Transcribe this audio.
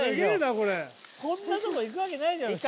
こんなとこ行くわけないじゃん普通。